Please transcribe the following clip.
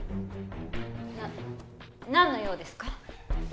ななんの用ですか？